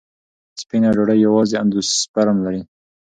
سپینه ډوډۍ یوازې اندوسپرم لري.